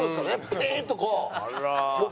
ピーンとこう。